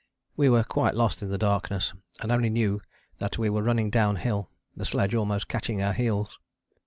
We were quite lost in the darkness, and only knew that we were running downhill, the sledge almost catching our heels.